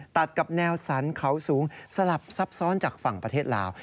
ตัดกับแนวสันเขาสูงสลับซับซ้อนจากฝั่งประเทศลาว